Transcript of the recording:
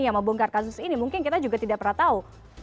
yang membongkar kasus ini mungkin kita juga tidak pernah tahu